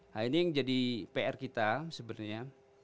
nah ini yang jadi pr kita sebenarnya